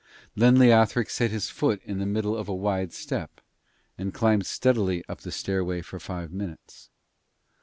Then Leothric set his foot in the middle of a wide step, and climbed steadily up the stairway for five minutes.